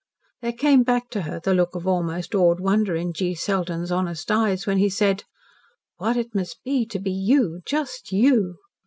There came back to her the look of almost awed wonder in G. Selden's honest eyes when he said: "What it must be to be you just YOU!"